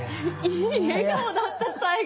いい笑顔だった最後。